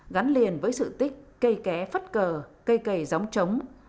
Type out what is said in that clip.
gắn liền với sự tích cây ké phất cờ cây cầy gióng trống